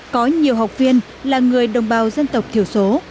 có nhiều học viên là người đồng bào dân tộc thiểu số